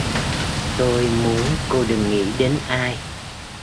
Tôi muốn cô đừng nghĩ đến ai